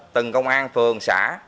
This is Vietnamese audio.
từng công an phường xã